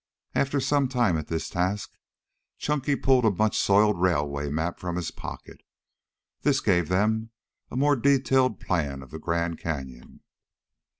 After some time at this task, Chunky pulled a much soiled railway map from his pocket. This gave them a more detailed plan of the Grand Canyon.